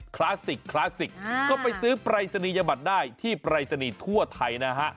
คลาสสิกก็ไปซื้อปลายศนียบัตรได้ที่ปลายศนีทั่วไทยนะฮะ